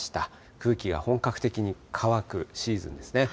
空気が本格的に乾くシーズンですね。